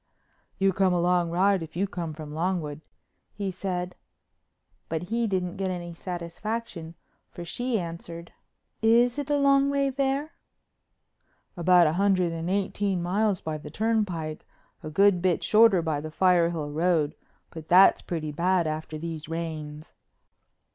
"You come a long ride if you come from Longwood," he said. But he didn't get any satisfaction, for she answered: "Is it a long way there?" "About a hundred and eighteen miles by the turnpike—a good bit shorter by the Firehill Road, but that's pretty bad after these rains.